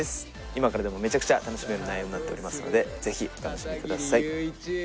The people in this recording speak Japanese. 今からでもめちゃくちゃ楽しめる内容になっておりますのでぜひお楽しみください。